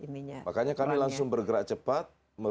makanya kami langsung bergerak cepat